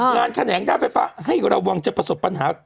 แขนงด้านไฟฟ้าให้ระวังจะประสบปัญหา